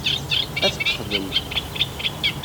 Ad t-texdem.